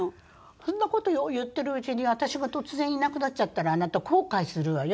そんな事言ってるうちに私が突然いなくなっちゃったらあなた後悔するわよ。